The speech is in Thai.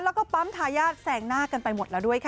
แล้วก็ปั๊มทายาทแสงหน้ากันไปหมดแล้วด้วยค่ะ